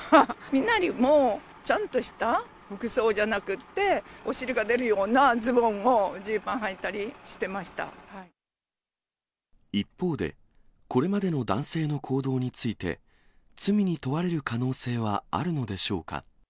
身なりもちゃんとした服装じゃなくって、お尻が出るようなズボンを、一方で、これまでの男性の行動について、罪に問われる可能性はあるのでしょうか。